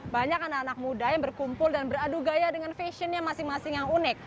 banyak anak anak muda yang berkumpul dan beradu gaya dengan fashionnya masing masing yang unik